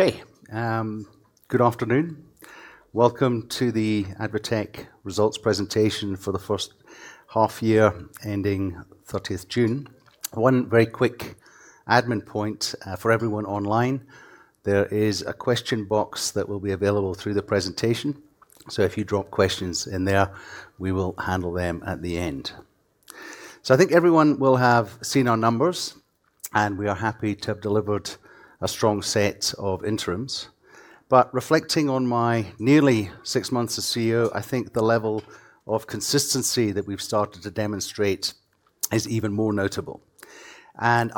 Okay. Good afternoon. Welcome to the ADvTECH Results Presentation for the First Half Year Ending 30th June. One very quick admin point for everyone online. There is a question box that will be available through the presentation, so if you drop questions in there, we will handle them at the end. I think everyone will have seen our numbers, and we are happy to have delivered a strong set of interims. Reflecting on my nearly six months as CEO, I think the level of consistency that we've started to demonstrate is even more notable. That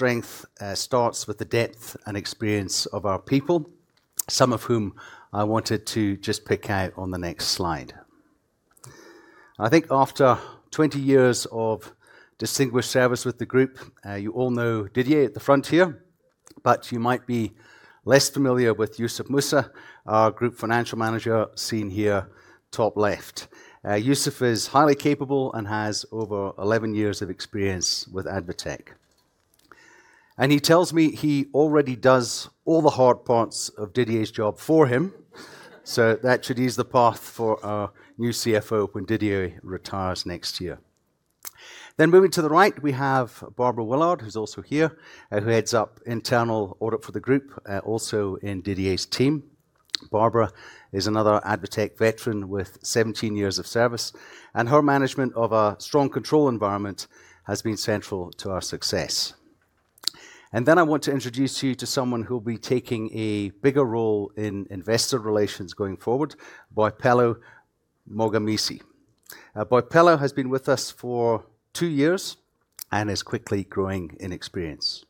strength starts with the depth and experience of our people, some of whom I wanted to just pick out on the next slide. I think after 20 years of distinguished service with the group, you all know Didier at the front here, but you might be less familiar with Yusuf Moosa, our group financial manager seen here top left. Yusuf is highly capable and has over 11 years of experience with ADvTECH. He tells me he already does all the hard parts of Didier's job for him. That should ease the path for our new CFO when Didier retires next year. Moving to the right, we have Barbara Willard, who's also here, who heads up internal audit for the group, also in Didier's team. Barbara is another ADvTECH veteran with 17 years of service, and her management of our strong control environment has been central to our success. I want to introduce you to someone who will be taking a bigger role in investor relations going forward, Boipelo Mogamisi. Boipelo has been with us for two years and is quickly growing in experience.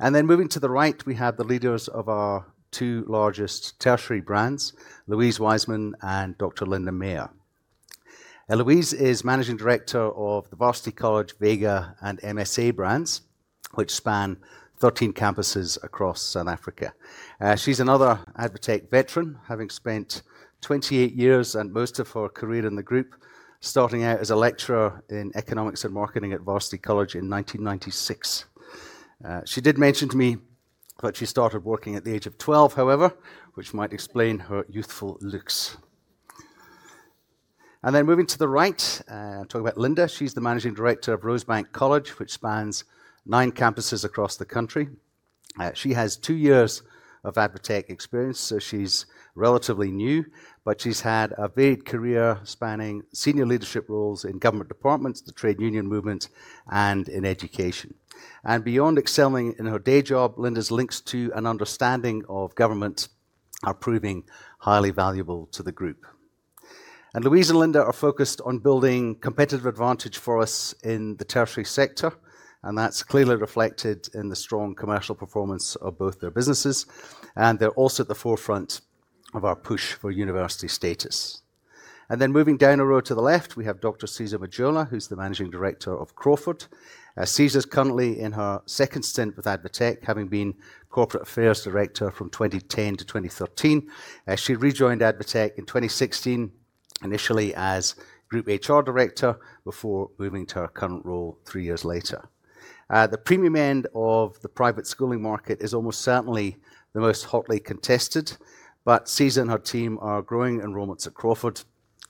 Moving to the right, we have the leaders of our two largest tertiary brands, Louise Wiseman and Dr. Linda Meyer. Louise is managing director of the Varsity College, Vega, and MSA brands, which span 13 campuses across South Africa. She's another ADvTECH veteran, having spent 28 years and most of her career in the group, starting out as a lecturer in economics and marketing at Varsity College in 1996. She did mention to me that she started working at the age of 12, however, which might explain her youthful looks. Moving to the right, talk about Linda. She's the managing director of Rosebank College, which spans nine campuses across the country. She has two years of ADvTECH experience, so she's relatively new, but she's had a varied career spanning senior leadership roles in government departments, the trade union movement, and in education. Beyond excelling in her day job, Linda's links to an understanding of government are proving highly valuable to the group. Louise and Linda are focused on building competitive advantage for us in the tertiary sector, and that's clearly reflected in the strong commercial performance of both their businesses. They're also at the forefront of our push for university status. Then moving down a row to the left, we have Dr. Siza Majola, who's the managing director of Crawford. Siza's currently in her second stint with ADvTECH, having been corporate affairs director from 2010 to 2013. She rejoined ADvTECH in 2016, initially as group HR director before moving to her current role three years later. The premium end of the private schooling market is almost certainly the most hotly contested. Siza and her team are growing enrollments at Crawford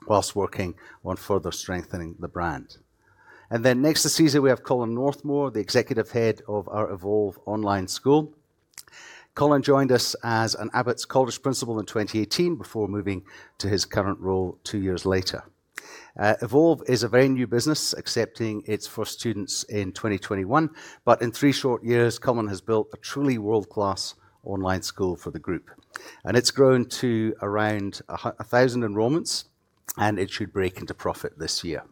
while working on further strengthening the brand. Next to Siza, we have Colin Northmore, the Executive Head of our Evolve Online School. Colin joined us as an Abbotts College principal in 2018 before moving to his current role two years later. Evolve is a very new business, accepting its first students in 2021. In three short years, Colin has built a truly world-class online school for the group, and it's grown to around 1,000 enrollments, and it should break into profit this year.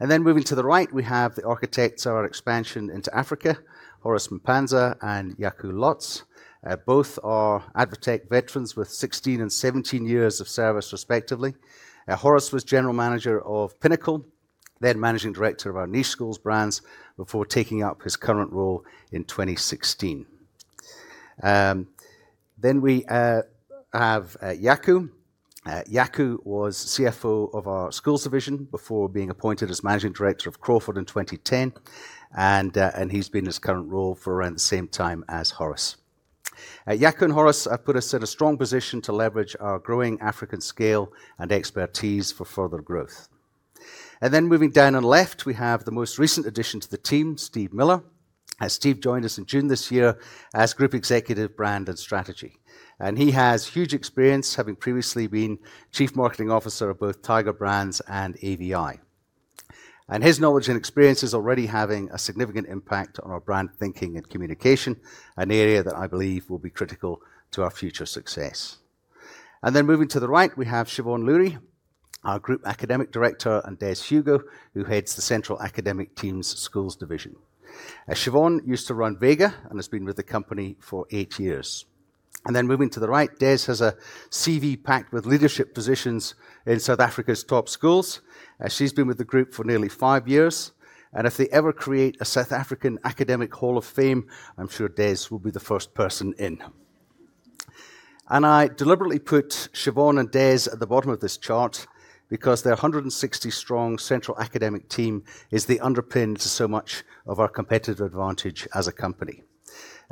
Moving to the right, we have the architects of our expansion into Africa, Horace Mpanza and Jaco Lotz. Both are ADvTECH veterans with 16 and 17 years of service respectively. Horace was general manager of Pinnacle, then managing director of our Niche School Brands before taking up his current role in 2016. Then we have Jaco. Jaco was CFO of our schools division before being appointed as managing director of Crawford in 2010. He's been in his current role for around the same time as Horace. Jaco and Horace have put us in a strong position to leverage our growing African scale and expertise for further growth. Moving down on left, we have the most recent addition to the team, Steve Miller. Steve joined us in June this year as Group Executive, Brand, and Strategy. He has huge experience, having previously been chief marketing officer of both Tiger Brands and ABI. His knowledge and experience is already having a significant impact on our brand thinking and communication, an area that I believe will be critical to our future success. Moving to the right, we have Shevon Lurie, our Group Academic Director, and Desiree Hugo, who heads the Central Academic Team's Schools Division. Shevon used to run Vega and has been with the company for eight years. Moving to the right, Desiree has a CV packed with leadership positions in South Africa's top schools. She's been with the group for nearly five years. If they ever create a South African Academic Hall of Fame, I'm sure Des will be the first person in. I deliberately put Shevon and Des at the bottom of this chart because their 160-strong central academic team is the underpin to so much of our competitive advantage as a company.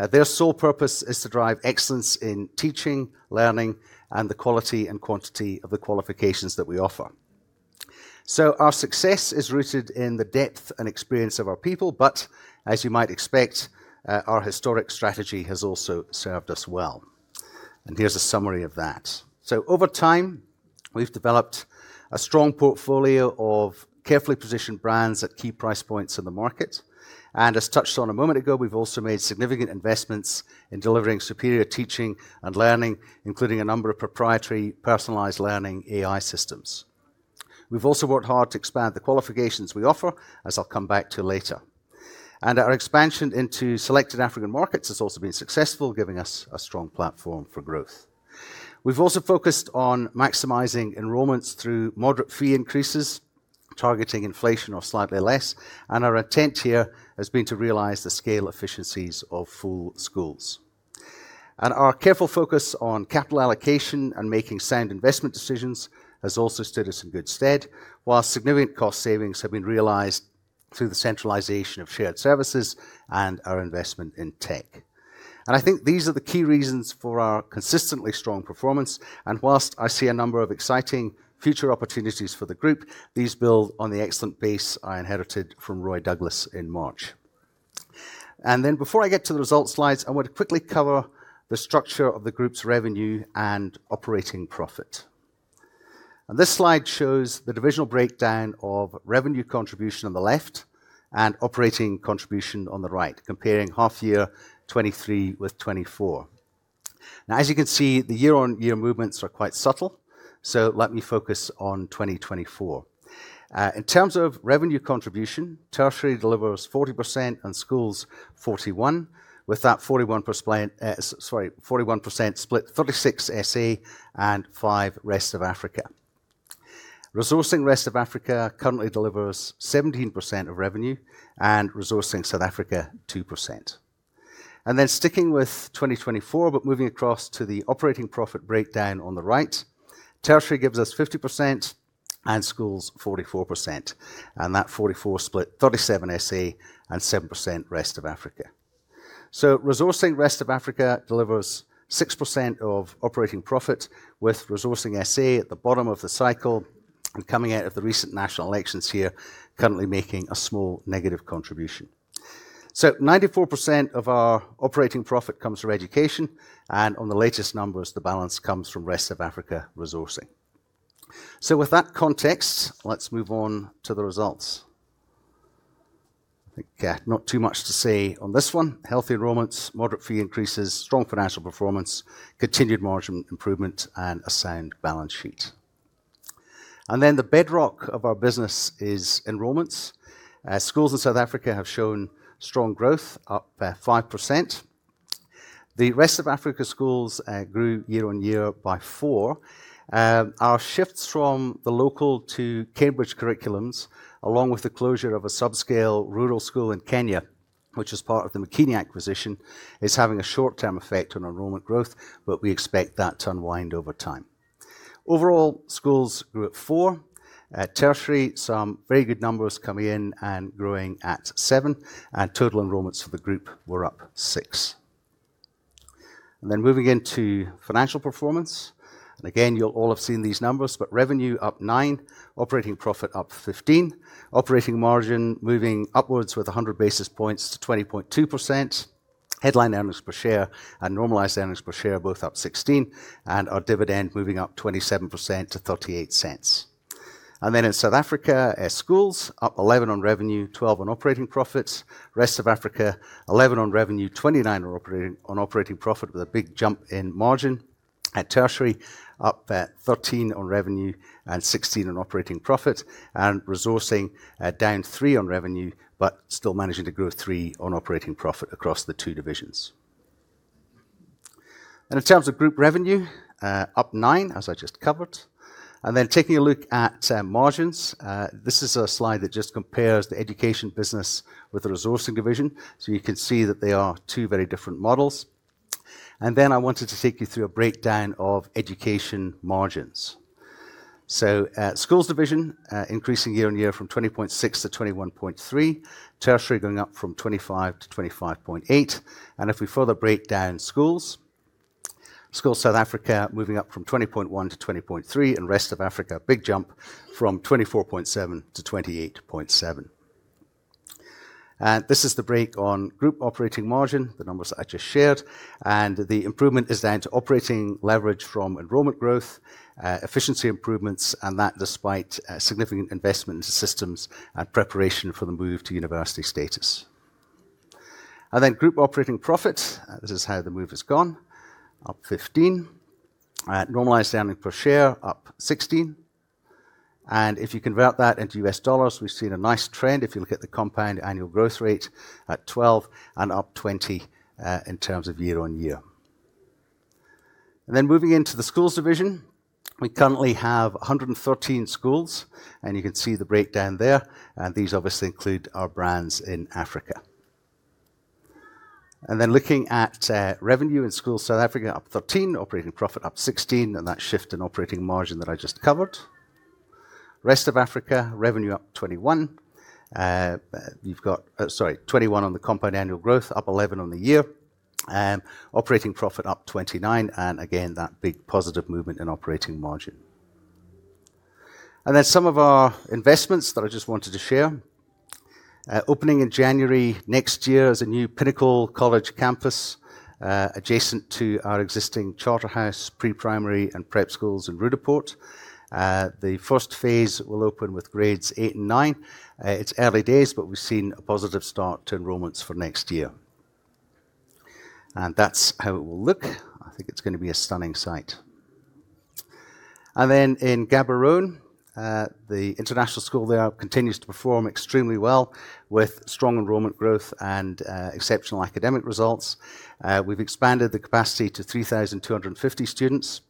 Their sole purpose is to drive excellence in teaching, learning, and the quality and quantity of the qualifications that we offer. Our success is rooted in the depth and experience of our people, but as you might expect, our historic strategy has also served us well. Here's a summary of that. Over time, we've developed a strong portfolio of carefully positioned brands at key price points in the market. As touched on a moment ago, we've also made significant investments in delivering superior teaching and learning, including a number of proprietary personalized learning AI systems. We've also worked hard to expand the qualifications we offer, as I'll come back to later. Our expansion into selected African markets has also been successful, giving us a strong platform for growth. We've also focused on maximizing enrollments through moderate fee increases, targeting inflation or slightly less. Our intent here has been to realize the scale efficiencies of full schools. Our careful focus on capital allocation and making sound investment decisions has also stood us in good stead, while significant cost savings have been realized through the centralization of shared services and our investment in tech. I think these are the key reasons for our consistently strong performance. Whilst I see a number of exciting future opportunities for the group, these build on the excellent base I inherited from Roy Douglas in March. Before I get to the results slides, I want to quickly cover the structure of the group's revenue and operating profit. This slide shows the divisional breakdown of revenue contribution on the left and operating contribution on the right, comparing half year 2023 with 2024. Now, as you can see, the year-on-year movements are quite subtle, so let me focus on 2024. In terms of revenue contribution, tertiary delivers 40% and schools 41%. With that 41% split, 36% SA and 5% rest of Africa. Resourcing rest of Africa currently delivers 17% of revenue and resourcing South Africa 2%. Sticking with 2024, but moving across to the operating profit breakdown on the right, tertiary gives us 50% and schools 44%, and that 44% split 37% SA and 7% rest of Africa. Resourcing rest of Africa delivers 6% of operating profit, with resourcing SA at the bottom of the cycle and coming out of the recent national elections here currently making a small negative contribution. 94% of our operating profit comes from education, and on the latest numbers, the balance comes from rest of Africa resourcing. With that context, let's move on to the results. I think, not too much to say on this one. Healthy enrollments, moderate fee increases, strong financial performance, continued margin improvement, and a sound balance sheet. The bedrock of our business is enrollments. Schools in South Africa have shown strong growth, up 5%. The rest of Africa schools grew year-on-year by 4%. Our shifts from the local to Cambridge curriculums, along with the closure of a subscale rural school in Kenya, which is part of the Makini acquisition, is having a short-term effect on enrollment growth, but we expect that to unwind over time. Overall, schools grew at 4%. At tertiary, some very good numbers coming in and growing at 7%, and total enrollments for the group were up 6%. Moving into financial performance. Again, you'll all have seen these numbers, but revenue up 9%, operating profit up 15%, operating margin moving upwards with 100 basis points to 20.2%. Headline earnings per share and normalized earnings per share are both up 16%, and our dividend moving up 27% to 0.38. In South Africa, schools up 11% on revenue, 12% on operating profits. Rest of Africa, 11% on revenue, 29% on operating profit with a big jump in margin. At tertiary, up 13% on revenue and 16% on operating profit. Resourcing down 3% on revenue, but still managing to grow 3% on operating profit across the two divisions. In terms of group revenue, up 9%, as I just covered. Taking a look at margins, this is a slide that just compares the education business with the resourcing division, so you can see that they are two very different models. I wanted to take you through a breakdown of education margins. Schools division, increasing year-over-year from 20.6% to 21.3%. Tertiary going up from 25% to 25.8%. If we further break down schools South Africa moving up from 20.1% to 20.3%, and rest of Africa, big jump from 24.7% to 28.7%. This is the breakdown of group operating margin, the numbers I just shared. The improvement is due to operating leverage from enrollment growth, efficiency improvements, and that despite significant investment into systems and preparation for the move to university status. Group operating profit, this is how the move has gone, up 15%. Normalized earnings per share up 16%. If you convert that into US dollars, we've seen a nice trend if you look at the compound annual growth rate at 12% and up 20%, in terms of year-on-year. Then moving into the schools division, we currently have 113 schools, and you can see the breakdown there. These obviously include our brands in Africa. Then looking at revenue in schools, South Africa up 13%, operating profit up 16%, and that shift in operating margin that I just covered. Rest of Africa, revenue up 21%. Twenty-one on the compound annual growth, up 11% on the year. Operating profit up 29%, and again, that big positive movement in operating margin. Then some of our investments that I just wanted to share. Opening in January next year is a new Pinnacle College campus, adjacent to our existing Charterhouse pre-primary and prep schools in Ruimsig. The first phase will open with grades eight and nine. It's early days, but we've seen a positive start to enrollments for next year. That's how it will look. I think it's gonna be a stunning site. In Gaborone, the international school there continues to perform extremely well with strong enrollment growth and exceptional academic results. We've expanded the capacity to 3,250 students.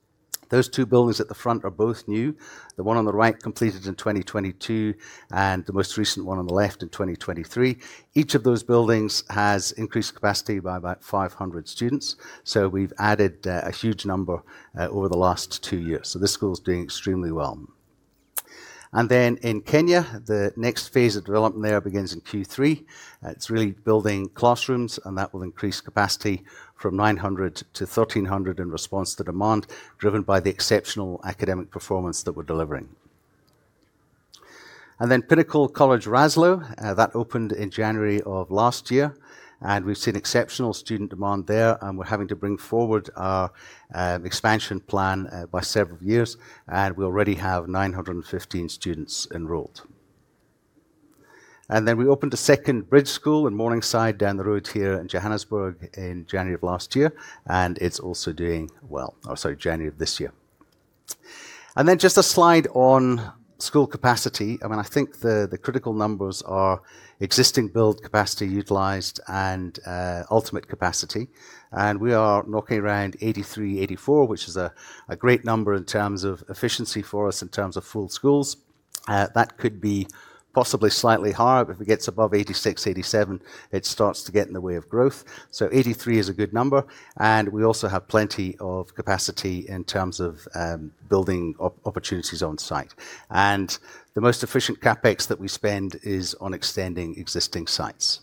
Those two buildings at the front are both new. The one on the right completed in 2022, and the most recent one on the left in 2023. Each of those buildings has increased capacity by about 500 students. We've added a huge number over the last two years. This school is doing extremely well. In Kenya, the next phase of development there begins in Q3. It's really building classrooms, and that will increase capacity from 900 to 1,300 in response to demand, driven by the exceptional academic performance that we're delivering. Pinnacle College Raslouw that opened in January of last year, and we've seen exceptional student demand there, and we're having to bring forward our expansion plan by several years, and we already have 915 students enrolled. We opened a second Bridge School in Morningside down the road here in Johannesburg in January of last year, and it's also doing well. Oh, sorry, January of this year. Just a slide on school capacity. I mean, I think the critical numbers are existing build capacity utilized and ultimate capacity. We are knocking around 83%-84%, which is a great number in terms of efficiency for us in terms of full schools. That could be possibly slightly higher. If it gets above 86%-87%, it starts to get in the way of growth. 83% is a good number, and we also have plenty of capacity in terms of building opportunities on-site. The most efficient Capex that we spend is on extending existing sites.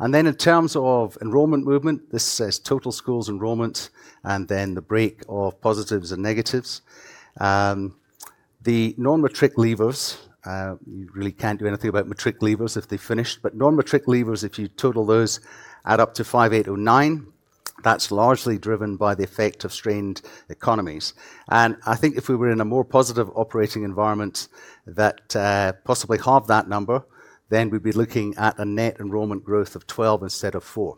Then in terms of enrollment movement, this says total schools enrollment and then the break of positives and negatives. The non-matric leavers, you really can't do anything about matric leavers if they finish. Non-matric leavers, if you total those, add up to 5,809. That's largely driven by the effect of strained economies. I think if we were in a more positive operating environment that possibly halve that number, then we'd be looking at a net enrollment growth of 12% instead of 4%.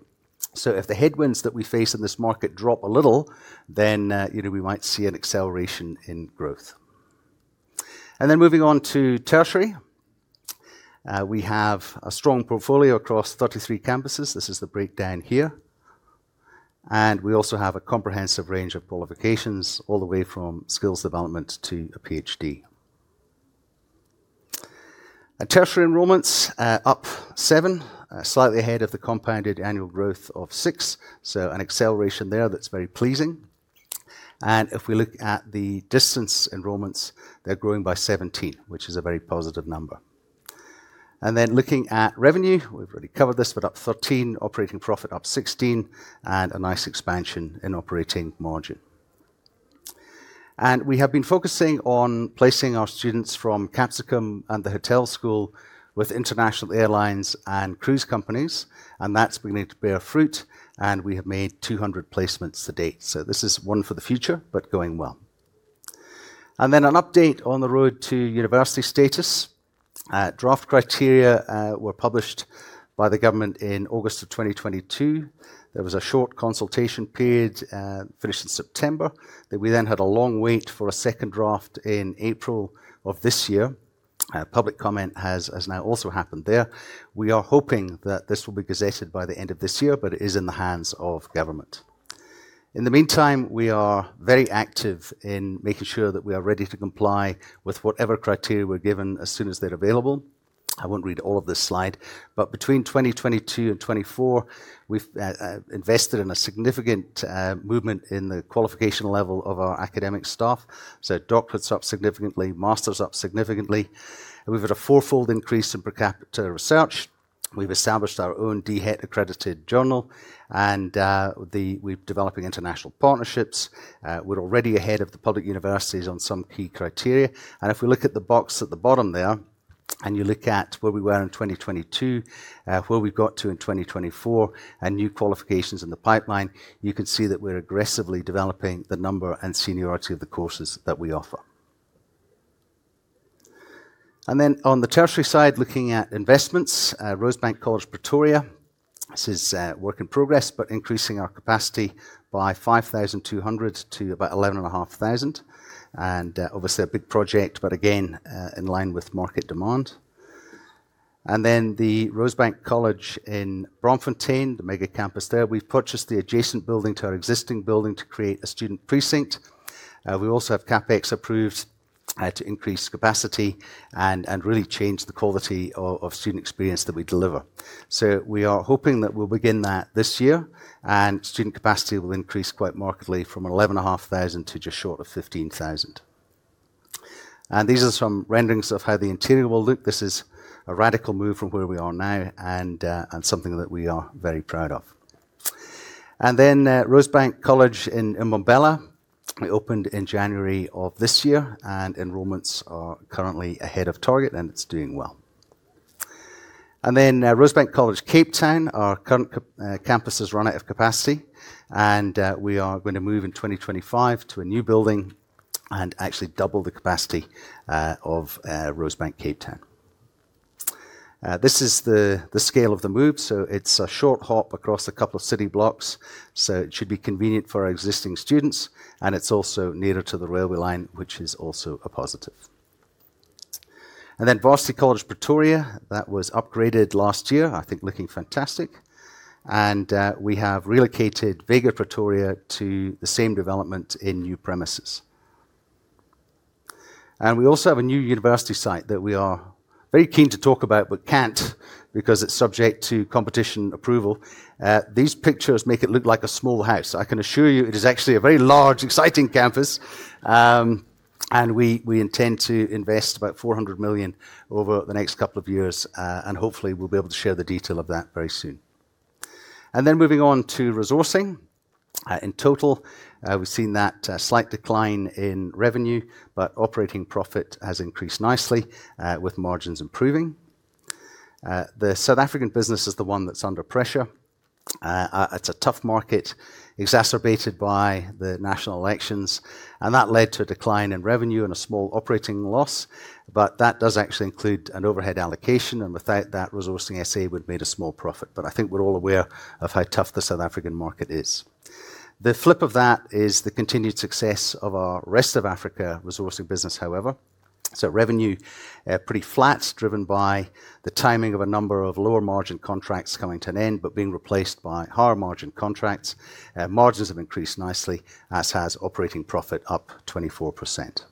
If the headwinds that we face in this market drop a little, then, you know, we might see an acceleration in growth. Moving on to tertiary. We have a strong portfolio across 33 campuses. This is the breakdown here. We also have a comprehensive range of qualifications all the way from skills development to a PhD. Tertiary enrollments up 7%, slightly ahead of the compound annual growth of 6%. An acceleration there that's very pleasing. If we look at the distance enrollments, they're growing by 17%, which is a very positive number. Looking at revenue, we've already covered this, we're up 13%, operating profit up 16%, and a nice expansion in operating margin. We have been focusing on placing our students from Capsicum and the hotel school with international airlines and cruise companies, and that's beginning to bear fruit, and we have made 200 placements to date. This is one for the future, but going well. An update on the road to university status. Draft criteria were published by the government in August 2022. There was a short consultation period, finished in September. We had a long wait for a second draft in April of this year. Public comment has now also happened there. We are hoping that this will be gazetted by the end of this year, but it is in the hands of government. In the meantime, we are very active in making sure that we are ready to comply with whatever criteria we're given as soon as they're available. I won't read all of this slide, but between 2022 and 2024, we've invested in a significant movement in the qualification level of our academic staff. Doctorate's up significantly, master's up significantly. We've had a four-fold increase in per capita research. We've established our own DHET-accredited journal. We're developing international partnerships. We're already ahead of the public universities on some key criteria. If we look at the box at the bottom there, and you look at where we were in 2022, where we got to in 2024, and new qualifications in the pipeline, you can see that we're aggressively developing the number and seniority of the courses that we offer. On the tertiary side, looking at investments, Rosebank College, Pretoria. This is work in progress, but increasing our capacity by 5,200 to about 11,500. Obviously a big project, but again in line with market demand. The Rosebank College in Braamfontein, the mega campus there. We've purchased the adjacent building to our existing building to create a student precinct. We also have Capex approved to increase capacity and really change the quality of student experience that we deliver. We are hoping that we'll begin that this year, and student capacity will increase quite markedly from 11,500 to just short of 15,000. These are some renderings of how the interior will look. This is a radical move from where we are now and something that we are very proud of. Rosebank College in Umhlanga. It opened in January of this year, and enrollments are currently ahead of target, and it's doing well. Rosebank College, Cape Town, our current campus has run out of capacity, and we are gonna move in 2025 to a new building and actually double the capacity of Rosebank, Cape Town. This is the scale of the move, so it's a short hop across a couple of city blocks, so it should be convenient for our existing students, and it's also nearer to the railway line, which is also a positive. Varsity College, Pretoria, that was upgraded last year. I think looking fantastic. We have relocated Vega Pretoria to the same development in new premises. We also have a new university site that we are very keen to talk about but can't because it's subject to competition approval. These pictures make it look like a small house. I can assure you it is actually a very large, exciting campus. We intend to invest about 400 million over the next couple of years, and hopefully, we'll be able to share the detail of that very soon. Moving on to resourcing. In total, we've seen that slight decline in revenue, but operating profit has increased nicely, with margins improving. The South African business is the one that's under pressure. It's a tough market, exacerbated by the national elections, and that led to a decline in revenue and a small operating loss. That does actually include an overhead allocation, and without that Resourcing SA would've made a small profit. I think we're all aware of how tough the South African market is. The flip of that is the continued success of our rest of Africa resourcing business, however. Revenue, pretty flat, driven by the timing of a number of lower margin contracts coming to an end, but being replaced by higher margin contracts. Margins have increased nicely, as has operating profit, up 24%.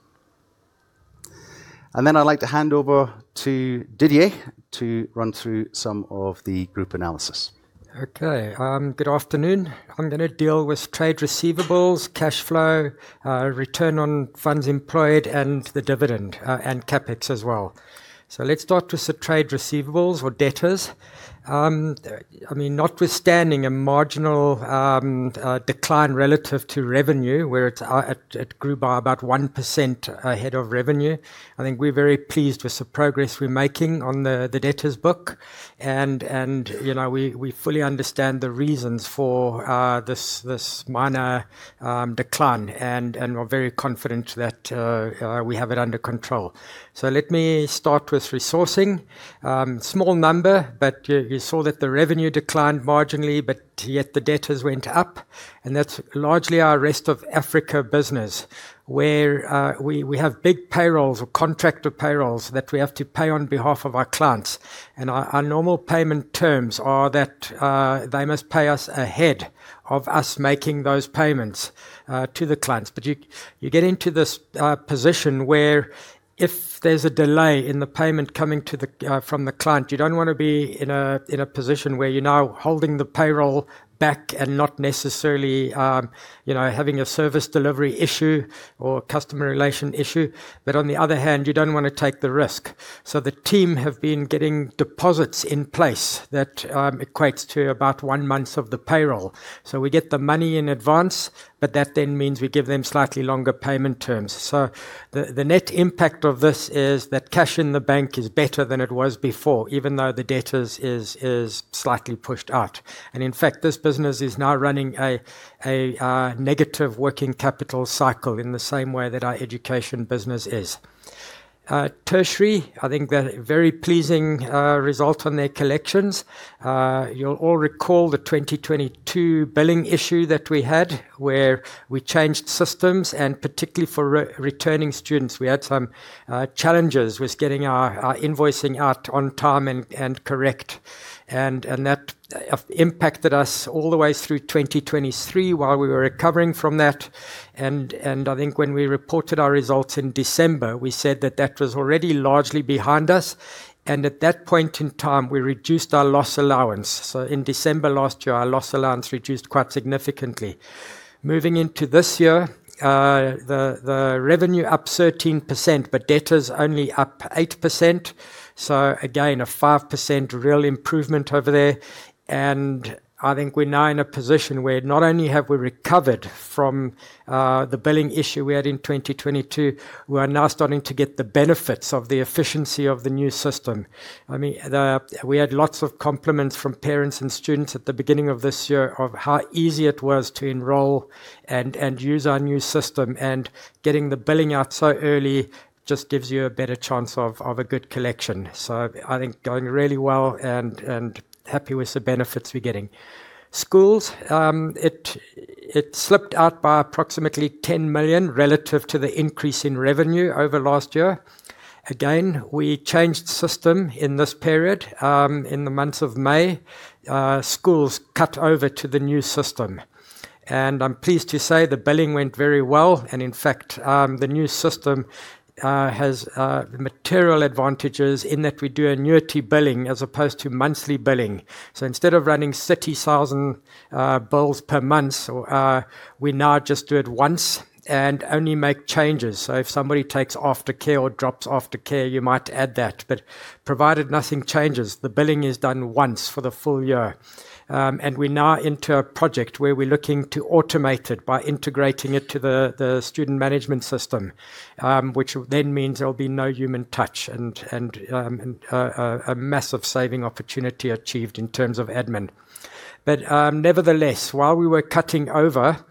Then I'd like to hand over to Didier to run through some of the group analysis. Okay. Good afternoon. I'm gonna deal with trade receivables, cash flow, return on funds employed and the dividend, and Capex as well. Let's start with the trade receivables or debtors. I mean, notwithstanding a marginal decline relative to revenue, where it grew by about 1% ahead of revenue. I think we're very pleased with the progress we're making on the debtors book. You know, we fully understand the reasons for this minor decline and we're very confident that we have it under control. Let me start with resourcing. Small number, but you saw that the revenue declined marginally, but yet the debtors went up. That's largely our rest of Africa business, where we have big payrolls or contractor payrolls that we have to pay on behalf of our clients. Our normal payment terms are that they must pay us ahead of us making those payments to the clients. You get into this position where if there's a delay in the payment coming to us from the client, you don't wanna be in a position where you're now holding the payroll back and not necessarily you know, having a service delivery issue or a customer relation issue. On the other hand, you don't wanna take the risk. The team have been getting deposits in place that equates to about one month of the payroll. We get the money in advance, but that then means we give them slightly longer payment terms. The net impact of this is that cash in the bank is better than it was before, even though the debtors is slightly pushed out. In fact, this business is now running a negative working capital cycle in the same way that our education business is. Tertiary, I think they're very pleasing result on their collections. You'll all recall the 2022 billing issue that we had, where we changed systems, and particularly for returning students, we had some challenges with getting our invoicing out on time and correct. That impacted us all the way through 2023 while we were recovering from that. I think when we reported our results in December, we said that that was already largely behind us, and at that point in time, we reduced our loss allowance. In December last year, our loss allowance reduced quite significantly. Moving into this year, the revenue up 13%, but debtors only up 8%. Again, a 5% real improvement over there. I think we're now in a position where not only have we recovered from the billing issue we had in 2022, we are now starting to get the benefits of the efficiency of the new system. I mean, we had lots of compliments from parents and students at the beginning of this year of how easy it was to enroll and use our new system. Getting the billing out so early just gives you a better chance of a good collection. I think going really well and happy with the benefits we're getting. Schools, it slipped out by approximately 10 million relative to the increase in revenue over last year. Again, we changed system in this period. In the month of May, schools cut over to the new system. I'm pleased to say the billing went very well. In fact, the new system has material advantages in that we do annuity billing as opposed to monthly billing. Instead of running 30,000 bills per month, we now just do it once and only make changes. If somebody takes after care or drops after care, you might add that. Provided nothing changes, the billing is done once for the full year. We're now into a project where we're looking to automate it by integrating it to the student management system, which then means there'll be no human touch and a massive saving opportunity achieved in terms of admin. Nevertheless, while we were cutting over,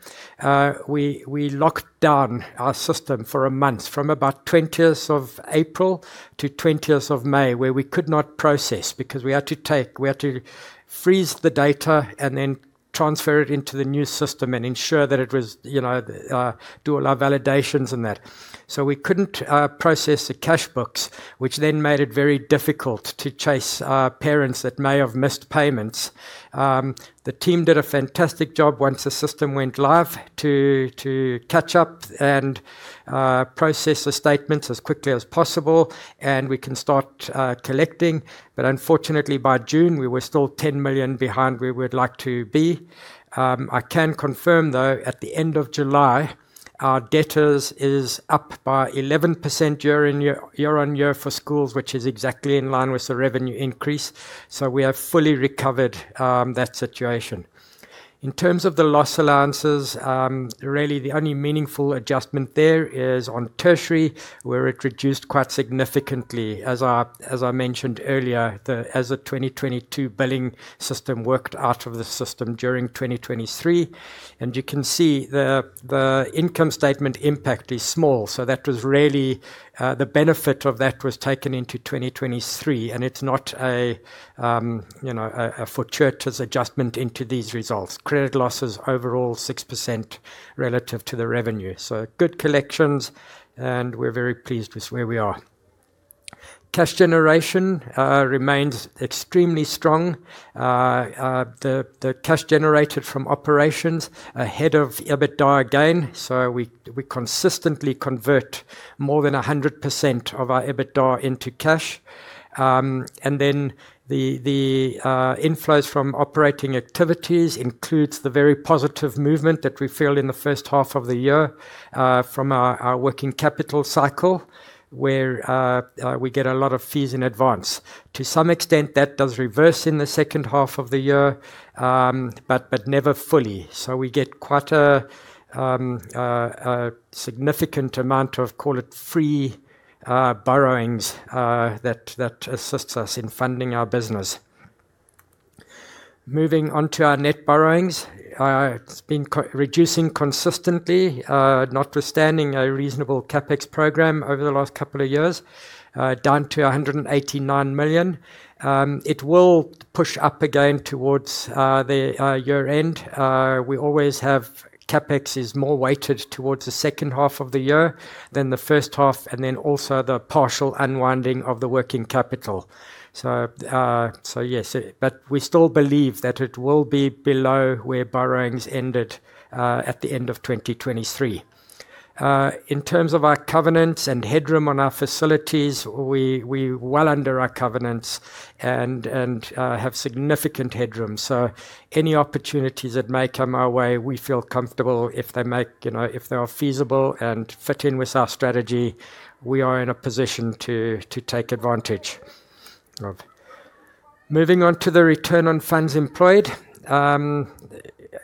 we locked down our system for a month from about 20th of April to 20th of May, where we could not process because we had to freeze the data and then transfer it into the new system and ensure that it was, you know, do all our validations and that. We couldn't process the cash books, which then made it very difficult to chase parents that may have missed payments. The team did a fantastic job once the system went live to catch up and process the statements as quickly as possible, and we can start collecting. Unfortunately, by June, we were still 10 million behind where we'd like to be. I can confirm, though, at the end of July, our debtors is up by 11% year-on-year for schools, which is exactly in line with the revenue increase. We have fully recovered that situation. In terms of the loss allowances, really the only meaningful adjustment there is on tertiary, where it reduced quite significantly. As I mentioned earlier, as the 2022 billing system worked out of the system during 2023. You can see the income statement impact is small. That was really the benefit of that was taken into 2023, and it's not a fortuitous adjustment into these results. Credit losses overall 6% relative to the revenue. Good collections, and we're very pleased with where we are. Cash generation remains extremely strong. The cash generated from operations ahead of EBITDA again. We consistently convert more than 100% of our EBITDA into cash. The inflows from operating activities includes the very positive movement that we feel in the first half of the year from our working capital cycle, where we get a lot of fees in advance. To some extent, that does reverse in the second half of the year, but never fully. We get quite a significant amount of, call it, free borrowings that assists us in funding our business. Moving on to our net borrowings. It's been continuously reducing consistently, notwithstanding a reasonable Capex program over the last couple of years, down to 189 million. It will push up again towards the year-end. We always have Capex is more weighted towards the second half of the year than the first half, and then also the partial unwinding of the working capital. Yes. We still believe that it will be below where borrowings ended at the end of 2023. In terms of our covenants and headroom on our facilities, we're well under our covenants and have significant headroom. Any opportunities that may come our way, we feel comfortable if they make, you know, if they are feasible and fit in with our strategy, we are in a position to take advantage of. Moving on to the return on funds employed.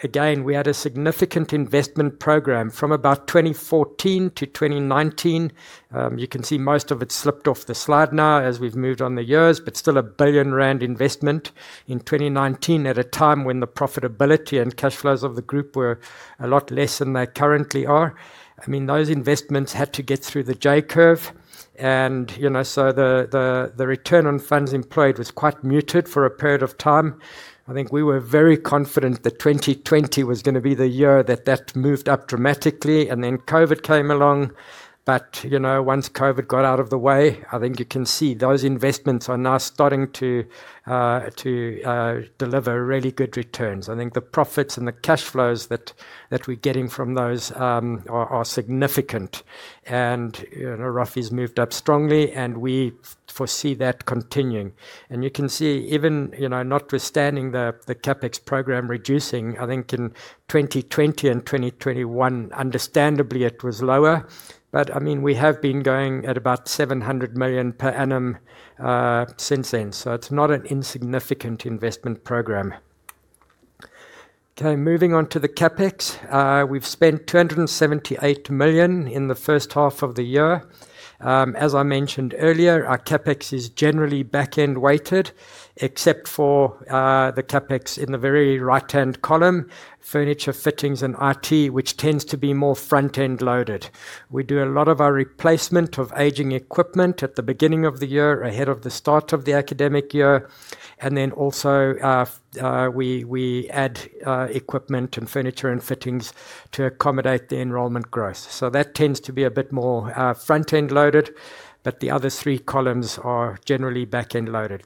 Again, we had a significant investment program from about 2014 to 2019. You can see most of it's slipped off the slide now as we've moved on the years, but still a 1 billion rand investment in 2019 at a time when the profitability and cash flows of the group were a lot less than they currently are. I mean, those investments had to get through the J-curve and, you know, so the return on funds employed was quite muted for a period of time. I think we were very confident that 2020 was gonna be the year that moved up dramatically, and then COVID came along. You know, once COVID got out of the way, I think you can see those investments are now starting to deliver really good returns. I think the profits and the cash flows that we're getting from those are significant. You know, ROFE's moved up strongly, and we foresee that continuing. You can see even, you know, notwithstanding the Capex program reducing, I think in 2020 and 2021, understandably it was lower. I mean, we have been going at about 700 million per annum since then. It's not an insignificant investment program. Okay, moving on to the Capex. We've spent 278 million in the first half of the year. As I mentioned earlier, our Capex is generally back-end weighted, except for the Capex in the very right-hand column, furniture, fittings, and IT, which tends to be more front-end loaded. We do a lot of our replacement of aging equipment at the beginning of the year, ahead of the start of the academic year, and then also we add equipment and furniture and fittings to accommodate the enrollment growth. That tends to be a bit more front-end loaded, but the other three columns are generally back-end loaded.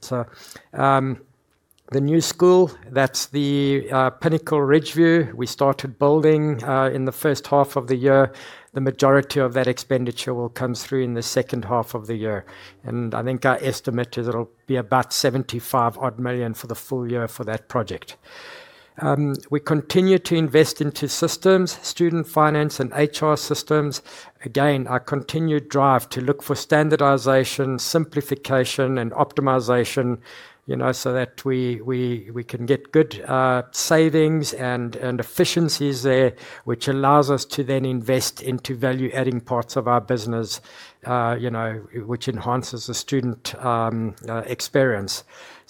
The new school, that's the Pinnacle Ridgeview. We started building in the first half of the year. The majority of that expenditure will come through in the second half of the year. I think our estimate is it'll be about 75 odd million for the full year for that project. We continue to invest into systems, student finance and HR systems. Again, our continued drive to look for standardization, simplification and optimization, you know, so that we can get good savings and efficiencies there, which allows us to then invest into value-adding parts of our business, you know, which enhances the student experience.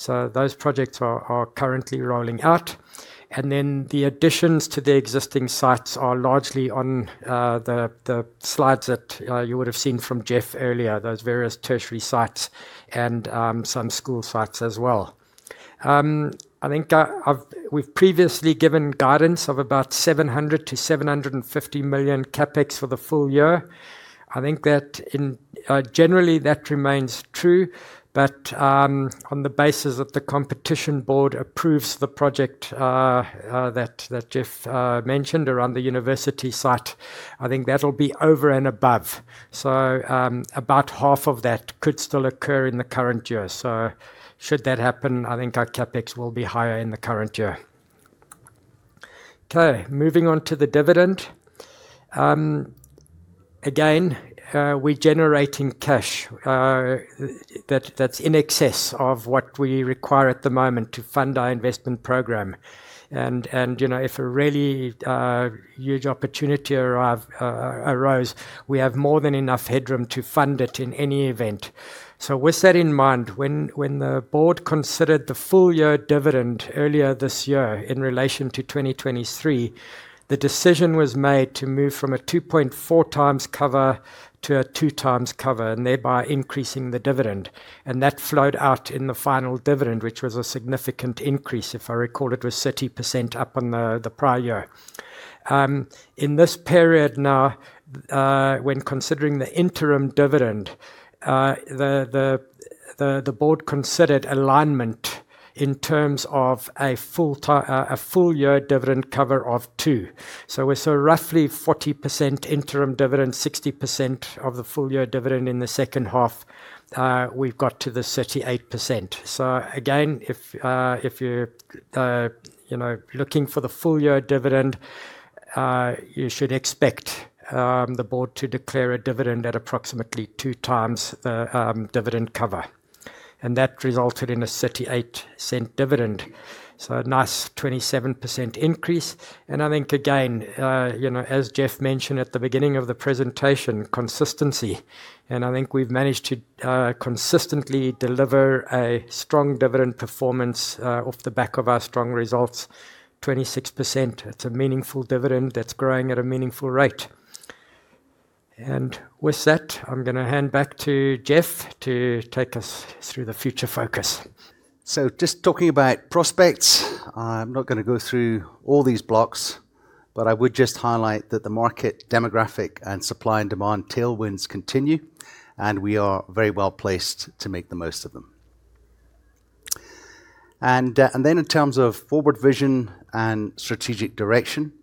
Those projects are currently rolling out. The additions to the existing sites are largely on the slides that you would have seen from Geoff earlier, those various tertiary sites and some school sites as well. I think we've previously given guidance of about 700 million-750 million Capex for the full year. I think generally, that remains true, but on the basis that the competition board approves the project, that Geoff mentioned around the university site, I think that'll be over and above. About half of that could still occur in the current year. Should that happen, I think our Capex will be higher in the current year. Okay, moving on to the dividend. Again, we're generating cash that's in excess of what we require at the moment to fund our investment program. You know, if a really huge opportunity arose, we have more than enough headroom to fund it in any event. With that in mind, when the board considered the full year dividend earlier this year in relation to 2023, the decision was made to move from a 2.4 times cover to a two times cover, and thereby increasing the dividend. That flowed out in the final dividend, which was a significant increase. If I recall, it was 30% up on the prior year. In this period now, when considering the interim dividend, the board considered alignment in terms of a full year dividend cover of two. We saw roughly 40% interim dividend, 60% of the full year dividend in the second half. We've got to the 38%. Again, if you're, you know, looking for the full year dividend, you should expect the board to declare a dividend at approximately two times the dividend cover. That resulted in a 0.38 dividend. A nice 27% increase. I think again, you know, as Geoff mentioned at the beginning of the presentation, consistency. I think we've managed to consistently deliver a strong dividend performance off the back of our strong results. 26%, it's a meaningful dividend that's growing at a meaningful rate. With that, I'm gonna hand back to Geoff to take us through the future focus. Just talking about prospects, I'm not gonna go through all these blocks, but I would just highlight that the market demographic and supply and demand tailwinds continue, and we are very well-placed to make the most of them. In terms of forward vision and strategic direction,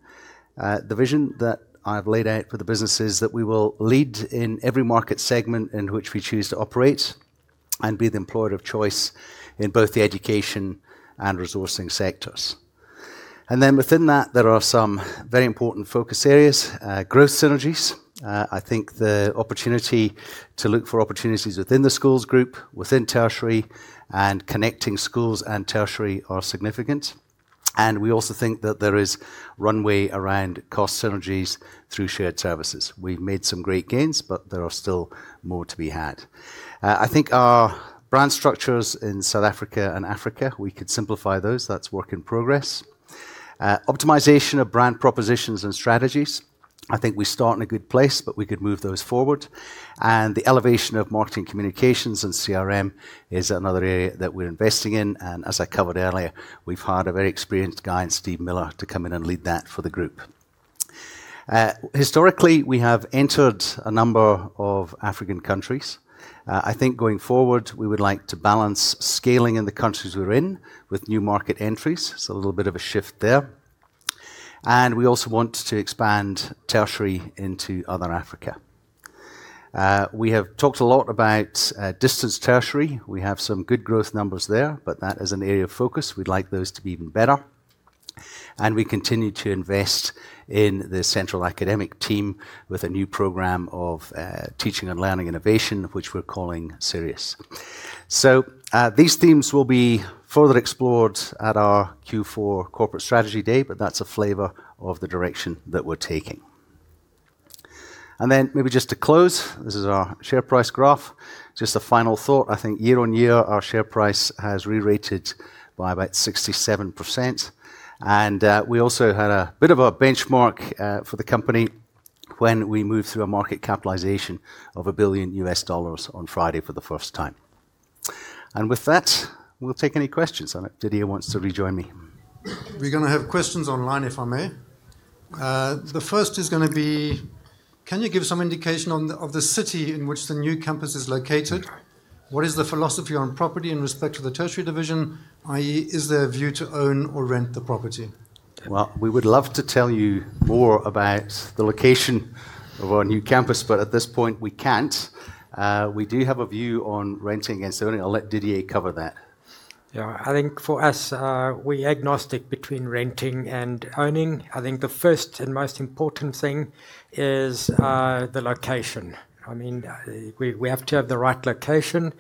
the vision that I've laid out for the business is that we will lead in every market segment in which we choose to operate and be the employer of choice in both the education and resourcing sectors. Within that, there are some very important focus areas. Growth synergies. I think the opportunity to look for opportunities within the schools group, within tertiary, and connecting schools and tertiary are significant. We also think that there is runway around cost synergies through shared services. We've made some great gains, but there are still more to be had. I think our brand structures in South Africa and Africa, we could simplify those. That's work in progress. Optimization of brand propositions and strategies. I think we start in a good place, but we could move those forward. The elevation of marketing communications and CRM is another area that we're investing in. As I covered earlier, we've hired a very experienced guy in Steve Miller to come in and lead that for the group. Historically, we have entered a number of African countries. I think going forward, we would like to balance scaling in the countries we're in with new market entries. A little bit of a shift there. We also want to expand tertiary into other Africa. We have talked a lot about distance tertiary. We have some good growth numbers there, but that is an area of focus. We'd like those to be even better. We continue to invest in the central academic team with a new program of teaching and learning innovation, which we're calling SIRIUS. These themes will be further explored at our Q4 corporate strategy day, but that's a flavor of the direction that we're taking. Then maybe just to close, this is our share price graph. Just a final thought. I think year-on-year, our share price has rerated by about 67%. We also had a bit of a benchmark for the company when we moved through a market capitalization of $1 billion on Friday for the first time. With that, we'll take any questions, and Didier wants to rejoin me. We're gonna have questions online, if I may? The first is gonna be: can you give some indication of the city in which the new campus is located? Okay. What is the philosophy on property in respect to the tertiary division, i.e., is there a view to own or rent the property? Well, we would love to tell you more about the location of our new campus, but at this point we can't. We do have a view on renting and selling. I'll let Didier cover that. Yeah. I think for us, we're agnostic between renting and owning. I think the first and most important thing is the location. I mean, we have to have the right location,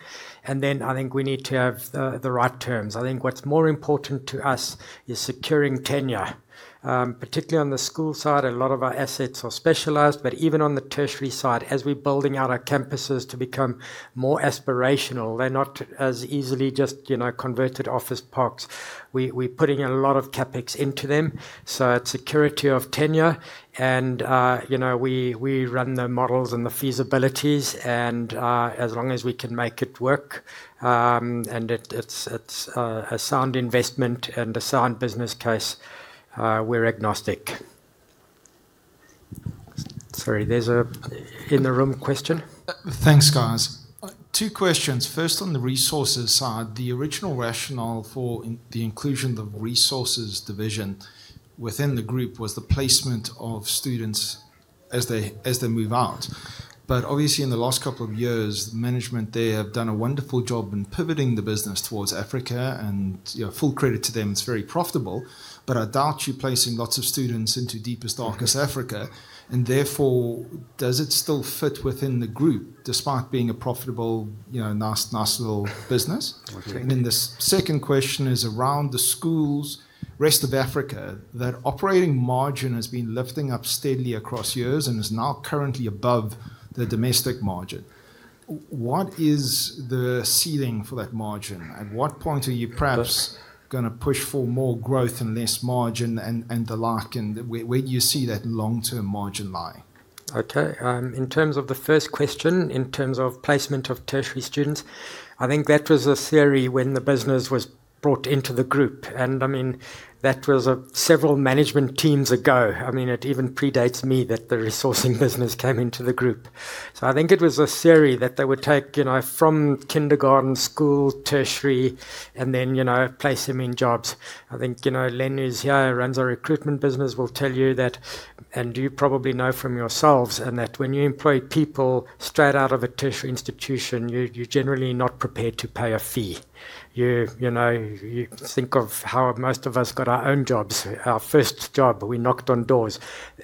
and then I think we need to have the right terms. I think what's more important to us is securing tenure. Particularly on the school side, a lot of our assets are specialized, but even on the tertiary side, as we're building out our campuses to become more aspirational, they're not as easily just, you know, converted office parks. We're putting a lot of Capex into them. It's security of tenure and, you know, we run the models and the feasibilities and, as long as we can make it work, and it's a sound investment and a sound business case, we're agnostic. Sorry, there's an in-the-room question. Thanks, guys. Two questions. First, on the resources side, the original rationale for the inclusion of resources division within the group was the placement of students as they move out. But obviously in the last couple of years, the management there have done a wonderful job in pivoting the business towards Africa and, you know, full credit to them, it's very profitable. But I doubt you're placing lots of students into deepest, darkest Africa and therefore, does it still fit within the group despite being a profitable, you know, nice little business? Okay. The second question is around the schools rest of Africa, that operating margin has been lifting up steadily across years and is now currently above the domestic margin. What is the ceiling for that margin? At what point are you perhaps Gonna push for more growth and less margin and the like, and where do you see that long-term margin lie? Okay. In terms of the first question, in terms of placement of tertiary students, I think that was a theory when the business was brought into the group, and I mean, that was several management teams ago. I mean, it even predates me that the resourcing business came into the group. I think it was a theory that they would take, you know, from kindergarten, school, tertiary and then, you know, place them in jobs. I think, you know, Len, who's here, runs our recruitment business, will tell you that, and you probably know from yourselves, and that when you employ people straight out of a tertiary institution, you're generally not prepared to pay a fee. You know, you think of how most of us got our own jobs. Our first job, we knocked on doors.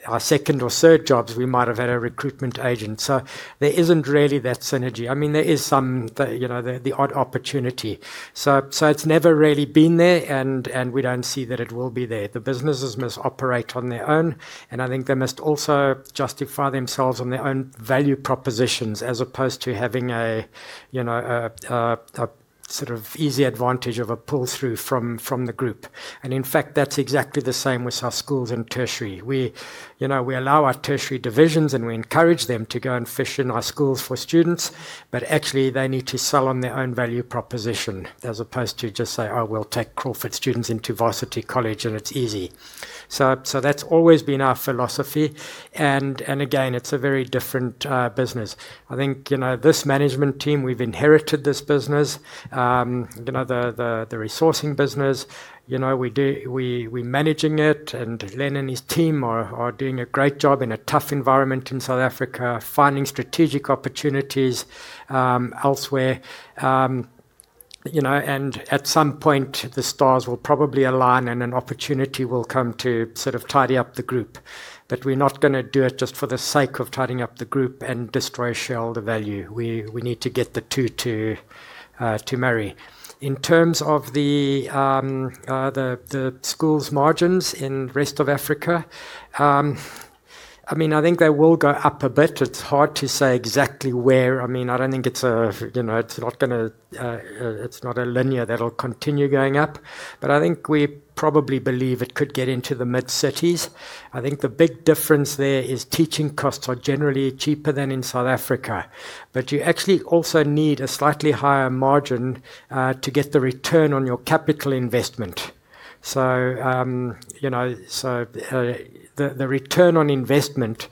Our second or third jobs, we might have had a recruitment agent. There isn't really that synergy. I mean, there is some, you know, the odd opportunity. It's never really been there and we don't see that it will be there. The businesses must operate on their own, and I think they must also justify themselves on their own value propositions as opposed to having, you know, a sort of easy advantage of a pull-through from the group. In fact, that's exactly the same with our schools and tertiary. We, you know, we allow our tertiary divisions, and we encourage them to go and fish in our schools for students, but actually, they need to sell on their own value proposition as opposed to just say, "Oh, we'll take Crawford students into Varsity College, and it's easy." That's always been our philosophy and again, it's a very different business. I think, you know, this management team, we've inherited this business, the resourcing business. We managing it, and Len and his team are doing a great job in a tough environment in South Africa, finding strategic opportunities elsewhere. At some point the stars will probably align, and an opportunity will come to sort of tidy up the group. We're not gonna do it just for the sake of tidying up the group and destroy shareholder value. We need to get the two to marry. In terms of the schools' margins in rest of Africa, I mean, I think they will go up a bit. It's hard to say exactly where. I mean, I don't think it's a, you know, it's not gonna, it's not a linear that'll continue going up. I think we probably believe it could get into the mid-60s%. I think the big difference there is teaching costs are generally cheaper than in South Africa. You actually also need a slightly higher margin to get the return on your capital investment. you know, the return on investment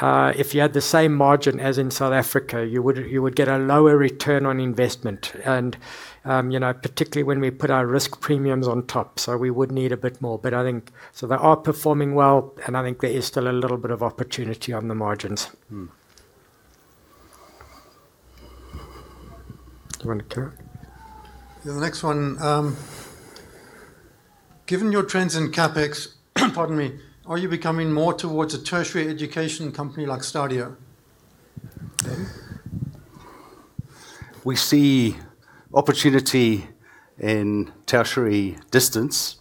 if you had the same margin as in South Africa, you would get a lower return on investment and, you know, particularly when we put our risk premiums on top. We would need a bit more. They are performing well, and I think there is still a little bit of opportunity on the margins. Do you want to carry on? Yeah, the next one. Given your trends in Capex, pardon me, are you becoming more towards a tertiary education company like STADIO? We see opportunity in tertiary distance,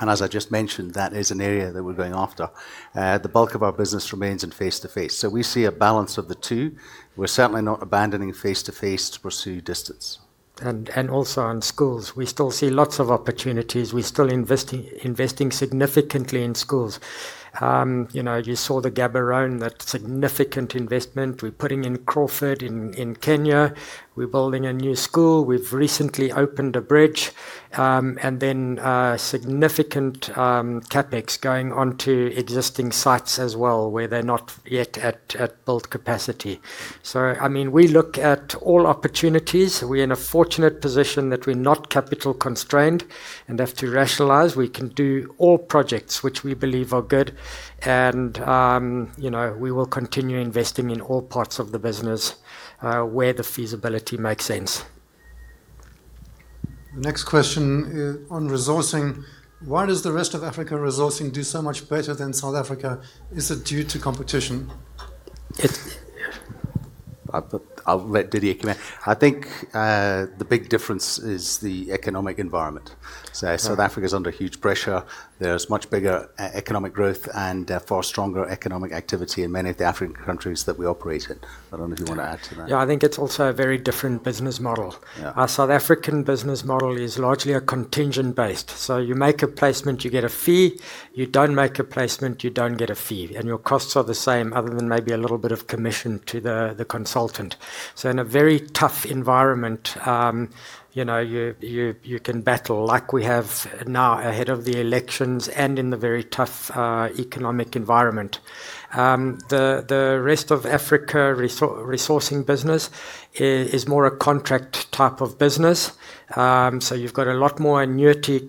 and as I just mentioned, that is an area that we're going after. The bulk of our business remains in face-to-face. We see a balance of the two. We're certainly not abandoning face-to-face to pursue distance. Also on schools, we still see lots of opportunities. We're still investing significantly in schools. You know, you saw the Gaborone, that significant investment. We're putting in Crawford in Kenya. We're building a new school. We've recently opened a Bridge, and then significant Capex going onto existing sites as well, where they're not yet at built capacity. I mean, we look at all opportunities. We're in a fortunate position that we're not capital constrained and have to rationalize. We can do all projects which we believe are good and you know, we will continue investing in all parts of the business where the feasibility makes sense. The next question on resourcing. Why does the rest of Africa resourcing do so much better than South Africa? Is it due to competition? I'll let Didier comment. I think, the big difference is the economic environment. Right. South Africa's under huge pressure. There's much bigger economic growth and far stronger economic activity in many of the African countries that we operate in. I don't know if you wanna add to that. Yeah, I think it's also a very different business model. Yeah. Our South African business model is largely a contingent-based. You make a placement, you get a fee. You don't make a placement, you don't get a fee. Your costs are the same other than maybe a little bit of commission to the consultant. In a very tough environment, you know, you can battle like we have now ahead of the elections and in the very tough economic environment. The rest of Africa resourcing business is more a contract type of business. You've got a lot more annuity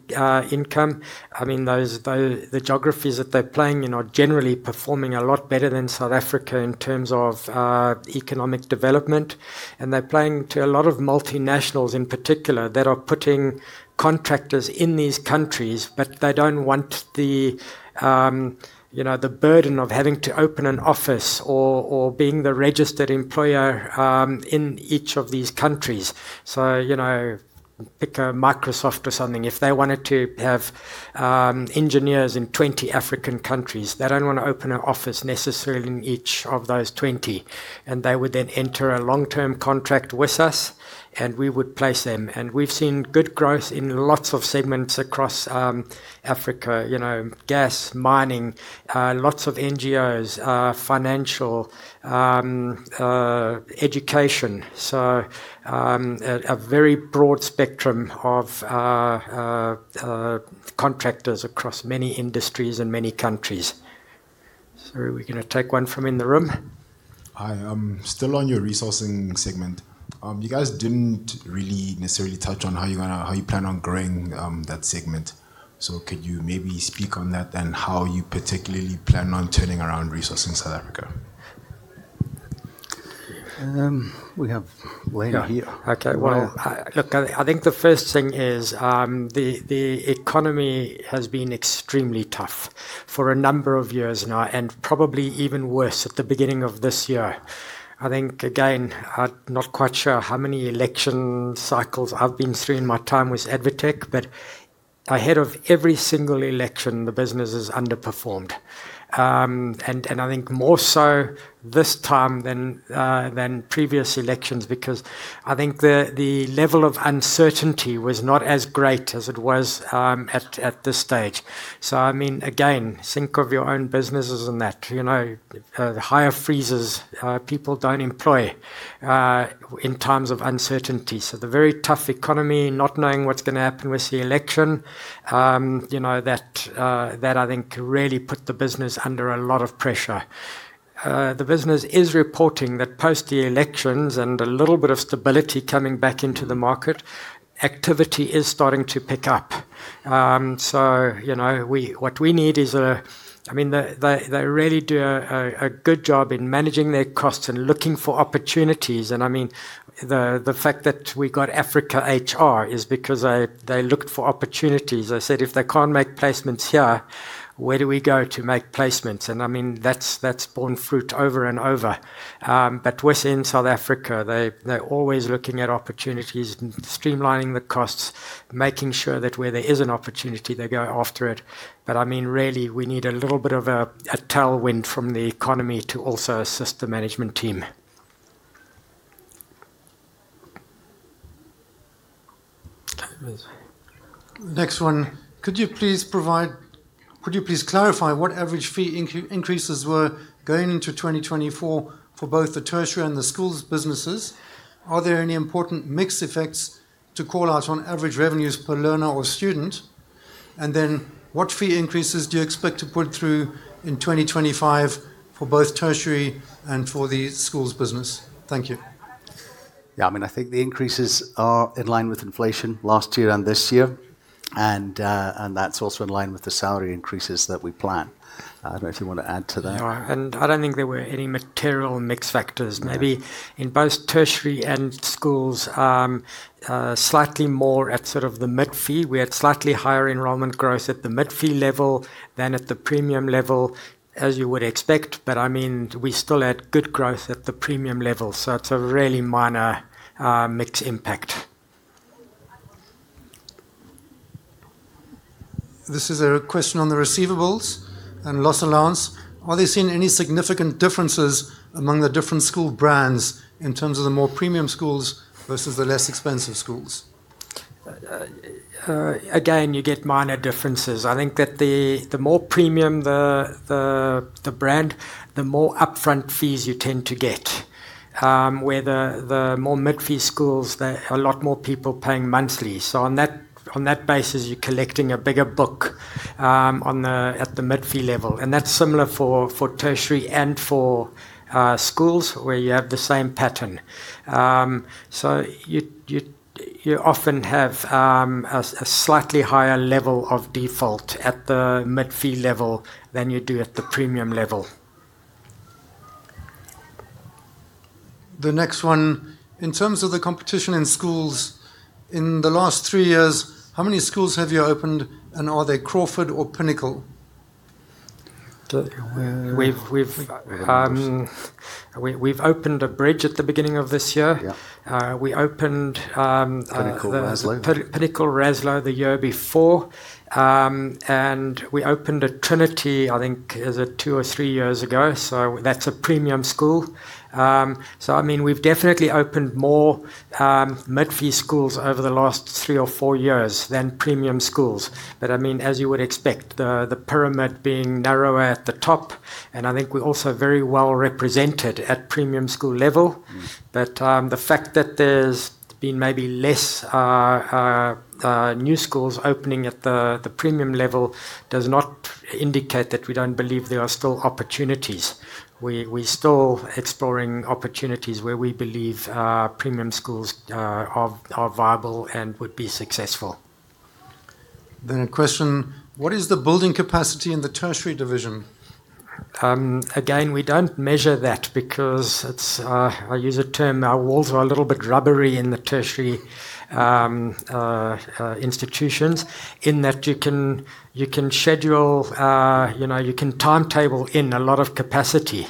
income. I mean, the geographies that they're playing, you know, are generally performing a lot better than South Africa in terms of economic development. They're playing to a lot of multinationals in particular that are putting contractors in these countries, but they don't want the you know the burden of having to open an office or being the registered employer in each of these countries. You know, pick a Microsoft or something. If they wanted to have engineers in 20 African countries, they don't wanna open an office necessarily in each of those 20, and they would then enter a long-term contract with us, and we would place them. We've seen good growth in lots of segments across Africa. You know, gas, mining, lots of NGOs, financial, education. A very broad spectrum of contractors across many industries and many countries. Sorry, we're gonna take one from in the room. Hi. Still on your resourcing segment. You guys didn't really necessarily touch on how you plan on growing that segment. Could you maybe speak on that and how you particularly plan on turning around resourcing South Africa? We have Wayne here. Well, I think the first thing is the economy has been extremely tough for a number of years now, and probably even worse at the beginning of this year. I think, again, I'm not quite sure how many election cycles I've been through in my time with ADvTECH, but ahead of every single election, the business has underperformed. I think more so this time than previous elections because I think the level of uncertainty was not as great as it was at this stage. I mean, again, think of your own businesses and that. You know, the hire freezes, people don't employ in times of uncertainty. The very tough economy, not knowing what's gonna happen with the election, that I think really put the business under a lot of pressure. The business is reporting that post the elections and a little bit of stability coming back into the market, activity is starting to pick up. I mean, they really do a good job in managing their costs and looking for opportunities. I mean, the fact that we got Africa HR is because they looked for opportunities. They said if they can't make placements here, where do we go to make placements? I mean, that's borne fruit over and over. We're seeing South Africa, they're always looking at opportunities and streamlining the costs, making sure that where there is an opportunity, they go after it. I mean, really, we need a little bit of a tailwind from the economy to also assist the management team. Okay. Next one. Could you please clarify what average fee increases were going into 2024 for both the tertiary and the schools businesses? Are there any important mix effects to call out on average revenues per learner or student? What fee increases do you expect to put through in 2025 for both tertiary and for the schools business? Thank you. Yeah. I mean, I think the increases are in line with inflation last year and this year, and that's also in line with the salary increases that we plan. I don't know if you wanna add to that. No. I don't think there were any material mix factors. Maybe in both tertiary and schools, slightly more at sort of the mid-fee. We had slightly higher enrollment growth at the mid-fee level than at the premium level, as you would expect. I mean, we still had good growth at the premium level, so it's a really minor, mix impact. This is a question on the receivables and loss allowance. Are they seeing any significant differences among the different school brands in terms of the more premium schools versus the less expensive schools? Again, you get minor differences. I think that the more premium the brand, the more upfront fees you tend to get. Where the more mid-fee schools, there are a lot more people paying monthly. On that basis, you're collecting a bigger book at the mid-fee level, and that's similar for tertiary and for schools where you have the same pattern. You often have a slightly higher level of default at the mid-fee level than you do at the premium level. The next one. In terms of the competition in schools, in the last three years, how many schools have you opened, and are they Crawford or Pinnacle? We've opened a Bridge at the beginning of this year. Yeah. We opened a Pinnacle Raslouw the year before. We opened a Trinityhouse, I think. Is it two or three years ago? So that's a premium school. I mean, we've definitely opened more mid-fee schools over the last three or four years than premium schools. I mean, as you would expect, the pyramid being narrower at the top, and I think we're also very well represented at premium school level. The fact that there's been maybe less new schools opening at the premium level does not indicate that we don't believe there are still opportunities. We're still exploring opportunities where we believe premium schools are viable and would be successful. A question: What is the building capacity in the tertiary division? Again, we don't measure that because it's, I use a term, our walls are a little bit rubbery in the tertiary institutions in that you can schedule, you know, you can timetable in a lot of capacity.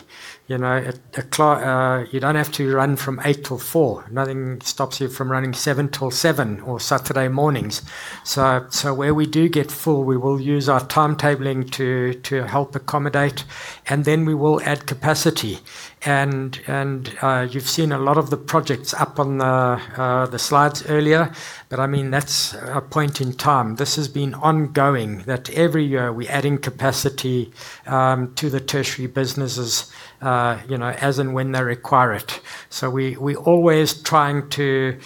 You know, you don't have to run from eight till four. Nothing stops you from running seven till seven or Saturday mornings. Where we do get full, we will use our timetabling to help accommodate, and then we will add capacity and you've seen a lot of the projects up on the slides earlier. I mean, that's a point in time. This has been ongoing, that every year we're adding capacity to the tertiary businesses, you know, as and when they require it. We always trying to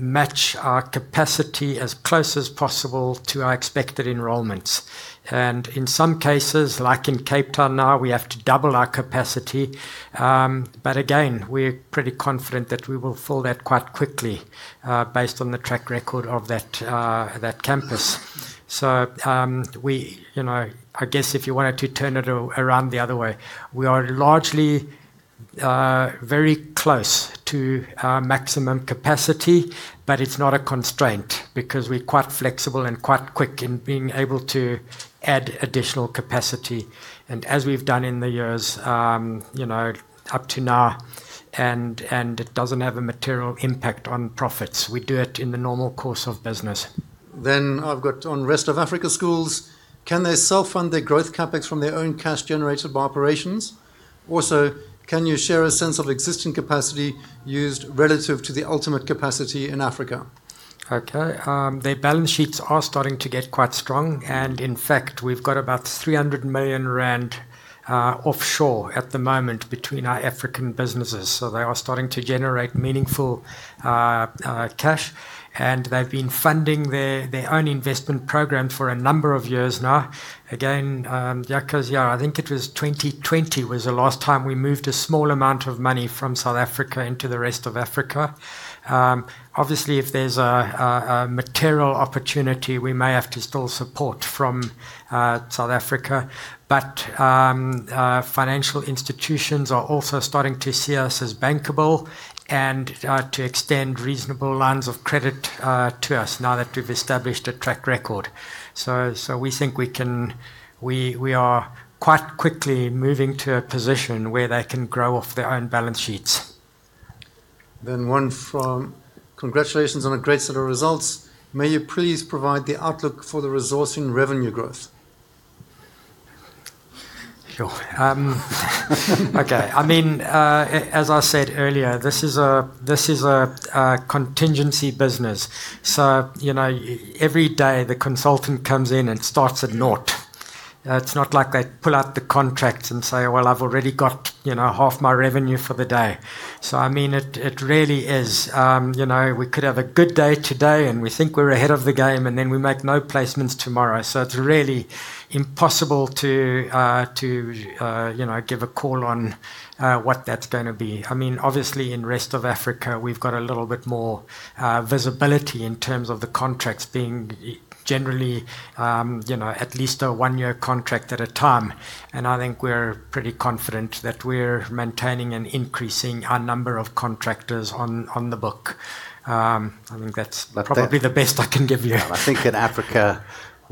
match our capacity as close as possible to our expected enrollments. In some cases, like in Cape Town now, we have to double our capacity. Again, we're pretty confident that we will fill that quite quickly, based on the track record of that campus. We, you know, I guess if you wanted to turn it around the other way, we are largely very close to our maximum capacity, but it's not a constraint because we're quite flexible and quite quick in being able to add additional capacity. As we've done in the years, you know, up to now and it doesn't have a material impact on profits. We do it in the normal course of business. I've got one on rest of Africa schools, can they self-fund their growth Capex from their own cash generated by operations? Also, can you share a sense of existing capacity used relative to the ultimate capacity in Africa? Their balance sheets are starting to get quite strong, and in fact, we've got about 300 million rand offshore at the moment between our African businesses. They are starting to generate meaningful cash, and they've been funding their own investment program for a number of years now. Again, Jaco's yeah, I think it was 2020 was the last time we moved a small amount of money from South Africa into the rest of Africa. Obviously, if there's a material opportunity, we may have to still support from South Africa. Financial institutions are also starting to see us as bankable and to extend reasonable lines of credit to us now that we've established a track record. We are quite quickly moving to a position where they can grow off their own balance sheets. Congratulations on a great set of results. May you please provide the outlook for the resourcing revenue growth? Yoh. Okay. I mean, as I said earlier, this is a contingency business. You know, every day, the consultant comes in and starts at naught. It's not like they pull out the contracts and say, "Well, I've already got, you know, half my revenue for the day." I mean, it really is, you know, we could have a good day today, and we think we're ahead of the game, and then we make no placements tomorrow. It's really impossible to, you know, give a call on what that's gonna be. I mean, obviously in rest of Africa, we've got a little bit more visibility in terms of the contracts being generally, you know, at least a one-year contract at a time. I think we're pretty confident that we're maintaining and increasing our number of contractors on the book. I think probably the best I can give you. I think in Africa,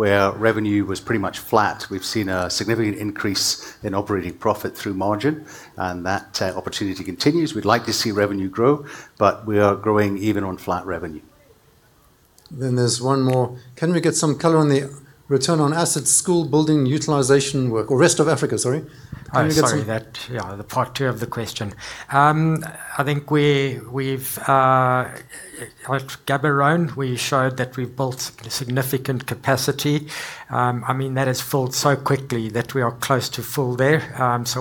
where revenue was pretty much flat, we've seen a significant increase in operating profit through margin, and that opportunity continues. We'd like to see revenue grow, but we are growing even on flat revenue. There's one more. Can we get some color on the return on assets school building utilization work or rest of Africa, sorry. Can you get some- Oh, sorry. That, yeah, the part two of the question. I think we've at Gaborone, we showed that we've built significant capacity. I mean, that has filled so quickly that we are close to full there.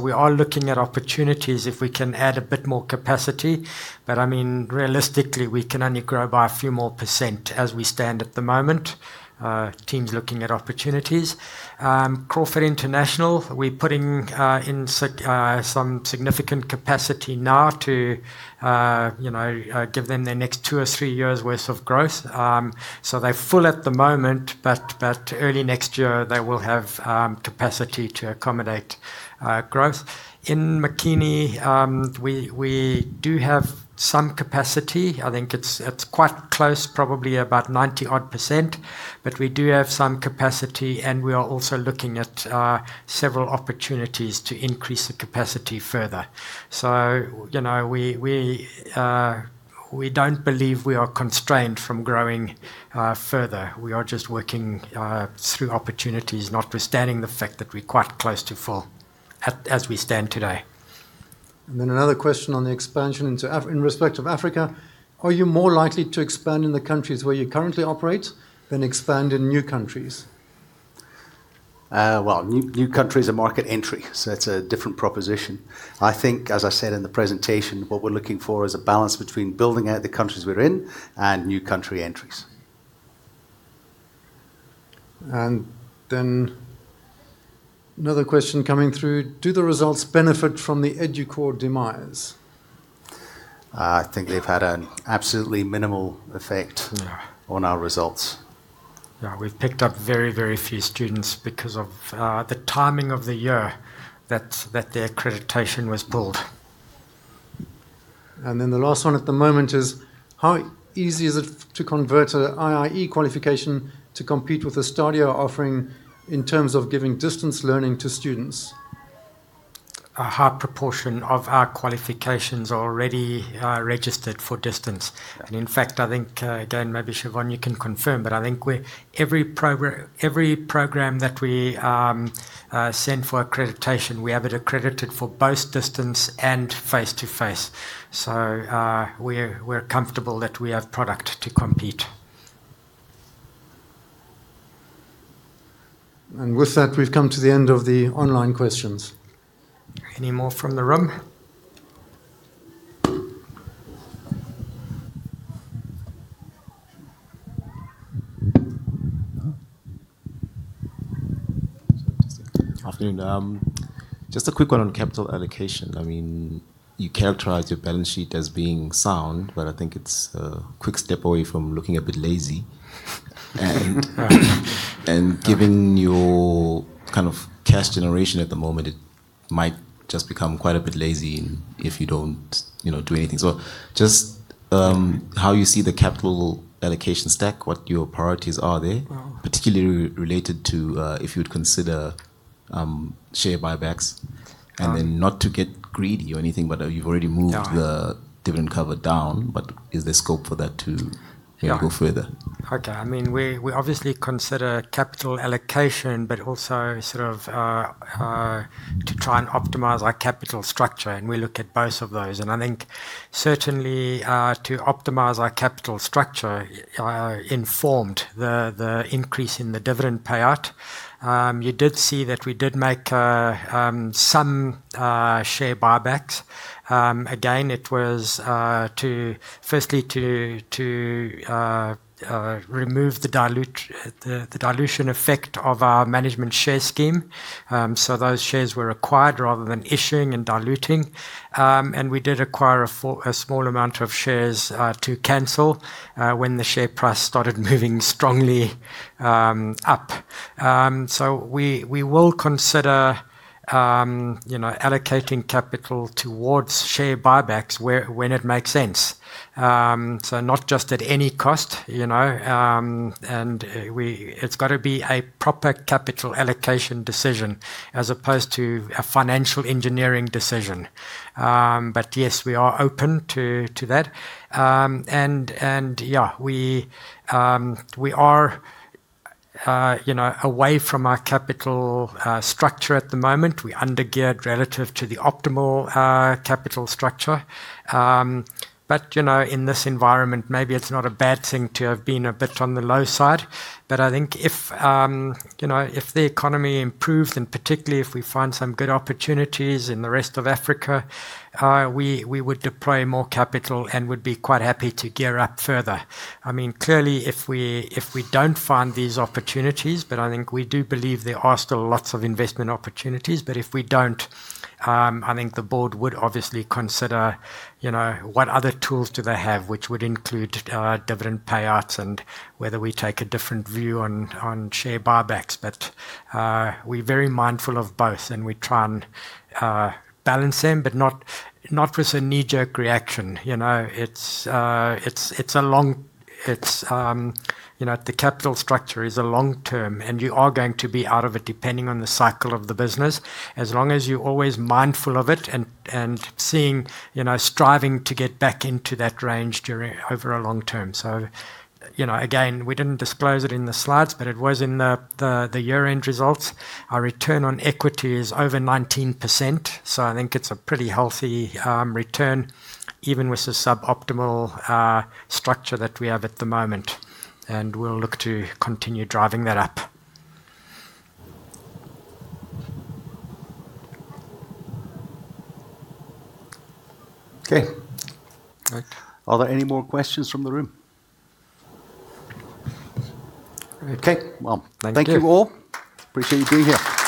We are looking at opportunities if we can add a bit more capacity. I mean, realistically, we can only grow by a few more % as we stand at the moment. The team's looking at opportunities. Crawford International, we're putting in some significant capacity now to you know give them their next two or three years' worth of growth. They're full at the moment, but early next year, they will have capacity to accommodate growth. In Makini, we do have some capacity. I think it's quite close, probably about 90-odd%. We do have some capacity, and we are also looking at several opportunities to increase the capacity further. You know, we don't believe we are constrained from growing further. We are just working through opportunities, notwithstanding the fact that we're quite close to full, as we stand today. Then another question on the expansion into Africa in respect of Africa, are you more likely to expand in the countries where you currently operate than expand in new countries? Well, new countries are market entry, so it's a different proposition. I think, as I said in the presentation, what we're looking for is a balance between building out the countries we're in and new country entries. another question coming through. Do the results benefit from the Educor demise? I think they've had an absolutely minimal effect. Yeah on our results. Yeah. We've picked up very, very few students because of the timing of the year that the accreditation was pulled. Then the last one at the moment is, how easy is it to convert an IIE qualification to compete with STADIO offering in terms of giving distance learning to students? A high proportion of our qualifications are already registered for distance. In fact, I think, again, maybe Shevon, you can confirm, but I think every program that we send for accreditation, we have it accredited for both distance and face-to-face. We're comfortable that we have product to compete. With that, we've come to the end of the online questions. Any more from the room? Afternoon. Just a quick one on capital allocation. I mean, you characterize your balance sheet as being sound, but I think it's a quick step away from looking a bit lazy. Given your kind of cash generation at the moment, it might just become quite a bit lazy if you don't, you know, do anything. Just how you see the capital allocation stack, what your priorities are there? Particularly related to, if you'd consider, share buybacks. Not to get greedy or anything, but you've already moved the dividend cover down. Is there scope for that to, you know? Yeah Go further? Okay. I mean, we obviously consider capital allocation, but also sort of to try and optimize our capital structure, and we look at both of those. I think certainly to optimize our capital structure informed the increase in the dividend payout. You did see that we did make some share buybacks. Again, it was to firstly remove the dilution effect of our management share scheme. Those shares were acquired rather than issuing and diluting. We did acquire a small amount of shares to cancel when the share price started moving strongly up. We will consider you know allocating capital towards share buybacks where when it makes sense. Not just at any cost, you know, it's gotta be a proper capital allocation decision as opposed to a financial engineering decision. Yes, we are open to that. Yeah, we are, you know, away from our capital structure at the moment. We undergeared relative to the optimal capital structure. You know, in this environment, maybe it's not a bad thing to have been a bit on the low side. I think if the economy improves, and particularly if we find some good opportunities in the rest of Africa, we would deploy more capital and would be quite happy to gear up further. I mean, clearly, if we don't find these opportunities, but I think we do believe there are still lots of investment opportunities. If we don't, I think the board would obviously consider, you know, what other tools do they have, which would include dividend payouts and whether we take a different view on share buybacks. We're very mindful of both, and we try and balance them, but not with a knee-jerk reaction. You know? It's a long-term, and you are going to be out of it depending on the cycle of the business. As long as you're always mindful of it and seeing, you know, striving to get back into that range over a long term. You know, again, we didn't disclose it in the slides, but it was in the year-end results. Our Return on Equity is over 19%, so I think it's a pretty healthy return even with the suboptimal structure that we have at the moment. We'll look to continue driving that up. Okay. Great. Are there any more questions from the room? Okay. Well. Thank you. Thank you all. Appreciate you being here.